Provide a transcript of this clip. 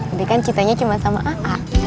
ini kan ceritanya cuma sama a'a